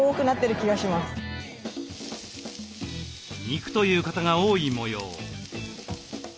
肉という方が多いもよう。